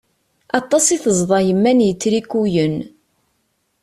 Aṭas i tezḍa yemma n yitrikuyen.